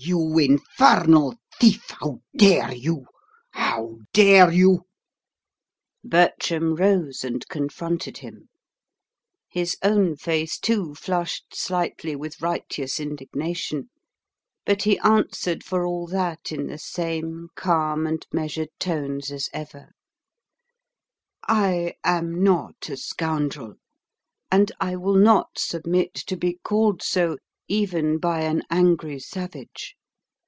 You infernal thief, how dare you? how dare you?" Bertram rose and confronted him. His own face, too, flushed slightly with righteous indignation; but he answered for all that in the same calm and measured tones as ever: "I am NOT a scoundrel, and I will not submit to be called so even by an angry savage.